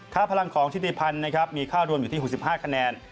ถ้าพลังของทิศิพันธ์นะครับมีค่ารวมอยู่ที่๖๕คะแนน